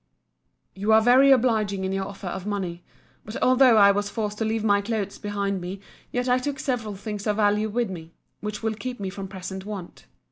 You are very obliging in your offer of money. But although I was forced to leave my clothes behind me, yet I took several things of value with me, which will keep me from present want.